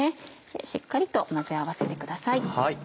しっかりと混ぜ合わせてください。